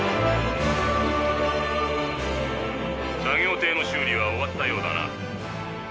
作業艇の修理は終わったようだな。